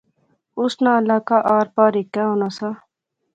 اس ناں علاقہ آر پار ہیکے ہونا سا